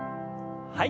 はい。